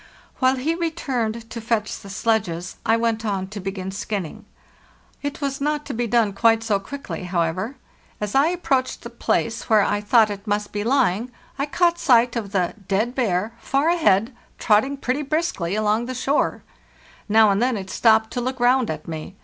While he returned to fetch the sledges I went on to begin skinning. It was not to be done quite so quickly, how THE NEW YEAR, 1896 409 ever. As I approached the place where I thought it must be lying, I caught sight of the 'dead bear' far ahead, trotting pretty briskly along the shore. Now and then it stopped to look round at me.